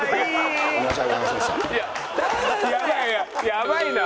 やばいな。